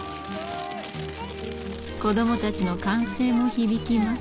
子どもたちの歓声も響きます。